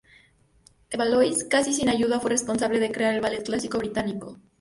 De Valois, casi sin ayuda, fue responsable de crear el ballet clásico británico.